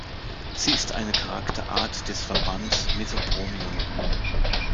Sie ist eine Charakterart des Verbands Mesobromion.